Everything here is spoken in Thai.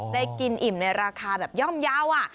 ได้กินอิ่มในราคาแบบย่อมเยาว์